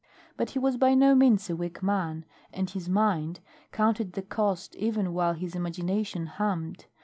But he was by no means a weak man, and his mind counted the cost even while his imagination hummed.